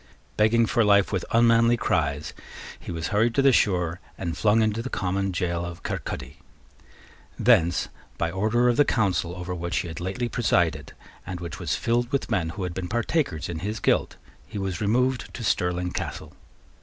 Begging for life with unmanly cries, he was hurried to the shore and flung into the common gaol of Kirkaldy. Thence, by order of the Council over which he had lately presided, and which was filled with men who had been partakers in his guilt, he was removed to Stirling Castle.